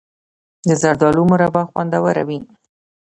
د زردالو مربا خوندوره وي.